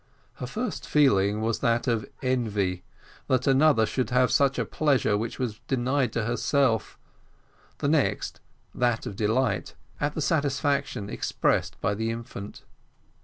Her first feeling was that of envy, that another should have such a pleasure which was denied to herself, the next that of delight, at the satisfaction expressed by the infant.